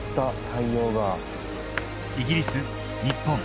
イギリス日本